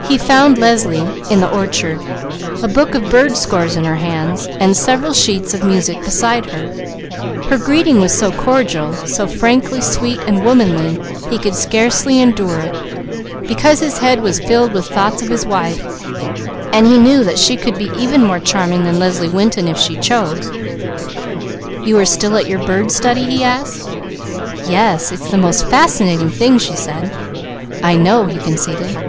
He found Leslie in the orchard, a book of bird scores in her hands, and several sheets of music beside her. Her greeting was so cordial, so frankly sweet and womanly, he could scarcely endure it, because his head was filled with thoughts of his wife. "You are still at your bird study?" he asked. "Yes. It's the most fascinating thing," she said. "I know," he conceded.